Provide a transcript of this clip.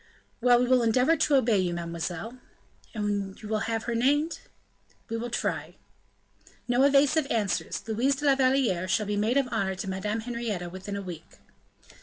"Well! we will endeavor to obey you, mademoiselle." "And you will have her named?" "We will try." "No evasive answers, Louise de la Valliere shall be maid of honor to Madame Henrietta within a week."